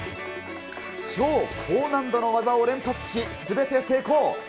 超高難度の技を連発し、すべて成功。